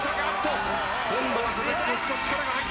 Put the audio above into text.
今度は佐々木君少し力が入ったか。